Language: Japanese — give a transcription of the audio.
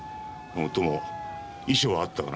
もっとも遺書はあったがな。